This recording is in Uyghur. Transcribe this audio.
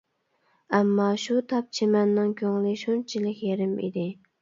ئەمما شۇ تاپ چىمەننىڭ كۆڭلى شۇنچىلىك يېرىم ئىدى.